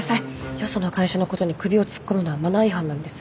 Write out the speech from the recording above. よその会社のことに首を突っ込むのはマナー違反なんです。